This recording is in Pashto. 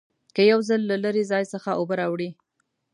که یو ځل له لرې ځای څخه اوبه راوړې.